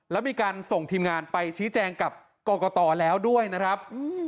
แล้วมีการส่งทีมงานไปชี้แจงกับกรกตแล้วด้วยนะครับ